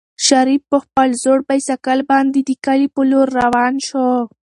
شریف په خپل زوړ بایسکل باندې د کلي په لور روان شو.